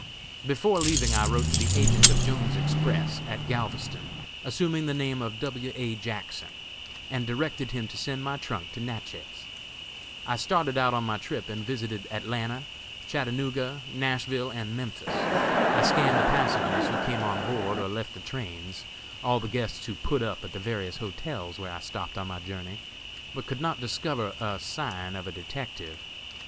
Before leaving, I wrote to the agent of Jones's Express, at Galveston, assuming the name of W. A. Jackson, and directed him to send my trunk to Natchez. I started out on my trip and visited Atlanta, Chattanooga, Nashville and Memphis. I scanned the passengers who came on board or left the trains, all the guests who 'put up' at the various hotels where I stopped on my journey, but could not discover a sign of a detective.